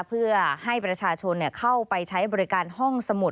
เพื่อให้ประชาชนเข้าไปใช้บริการห้องสมุด